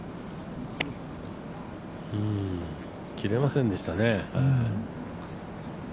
切れませんでしたね。